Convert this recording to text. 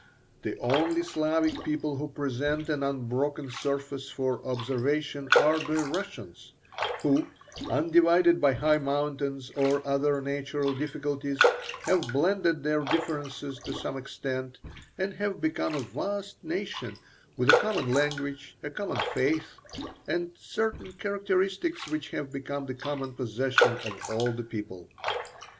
The only Slavic people who present an unbroken surface for observation are the Russians, who, undivided by high mountains or other natural difficulties, have blended their differences to some extent, and have become a vast nation, with a common language, a common faith, and certain characteristics which have become the common possession of all the people.